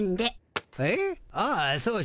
ああそうじゃった。